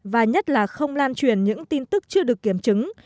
và nhất là không lan truyền những tin tức chưa được kiểm chứng